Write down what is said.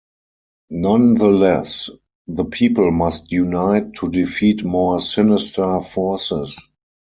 Nonetheless, the people must unite to defeat more sinister forces.